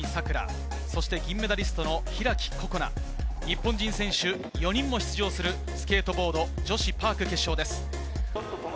さくら、そして銀メダリストの開心那、日本人選手４人も出場するスケートボード女子パーク決勝です。